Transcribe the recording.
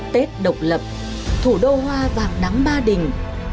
tết độc lập thủ đô hoa vàng nắng ba đình